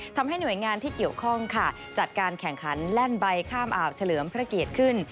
ทำให้หน่วยงานที่เกี่ยวข้องค่ะจัดการแข่งขันแล่นใบข้ามอ่าวเฉลิมพระเกียรติขึ้น